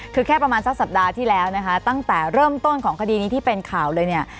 คือแค่ประมาณสักสัปดาห์ที่แล้วนะคะตั้งแต่เริ่มต้นของคดีนี้ที่เป็นข่าวเลยเนี่ย